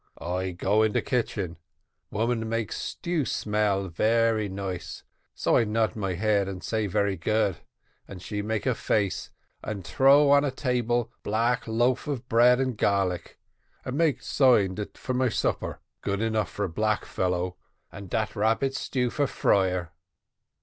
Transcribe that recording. I go in the kitchen, woman make stew smell very nice, so I nod my head, and I say very good, and she make a face, and throw on table black loaf of bread and garlic, and make sign dat for my supper; good enough for black fellow, and dat rabbit stew for friar.